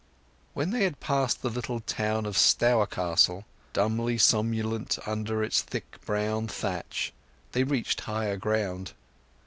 When they had passed the little town of Stourcastle, dumbly somnolent under its thick brown thatch, they reached higher ground.